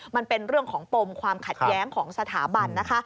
มันเป็นเรื่องของปมความขัดแย้งของสถาบันนะคะ